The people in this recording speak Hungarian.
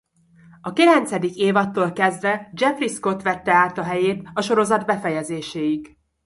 A kilencedik évadtól kezdve Jeffrey Scott vette át a helyét a sorozat befejezéséig.